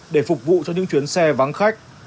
để phục vụ cho những chuyến xe vắng khách